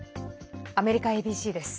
アメリカＡＢＣです。